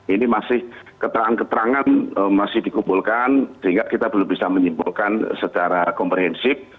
ini masih keterangan keterangan masih dikumpulkan sehingga kita belum bisa menyimpulkan secara komprehensif